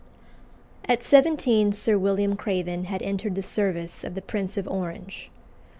At seventeen Sir William Craven had entered the service of the Prince of Orange.